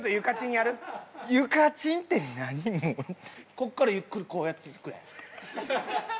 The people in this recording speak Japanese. ここからゆっくりこうやっていくやん。